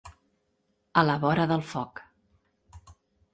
A la vora del foc.